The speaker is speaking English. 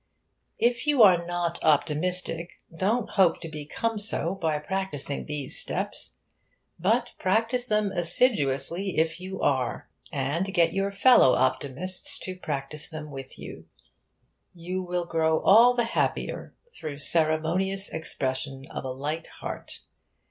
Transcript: If you are not optimistic, don't hope to become so by practising the steps. But practise them assiduously if you are; and get your fellow optimists to practise them with you. You will grow all the happier through ceremonious expression of a light heart.